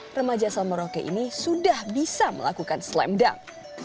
penjajah selmerauke ini sudah bisa melakukan slam dunk